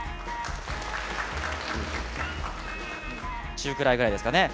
中くらいぐらいですかね。